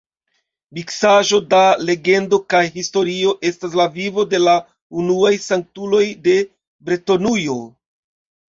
Miksaĵo da legendo kaj historio estas la vivo de la unuaj sanktuloj de Bretonujo.